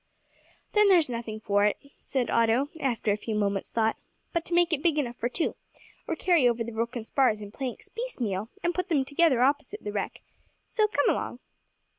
"Then there's nothing for it," said Otto, after a few moments' thought, "but to make it big enough for two, or carry over the broken spars and planks piecemeal, and put them together opposite the wreck; so, come along."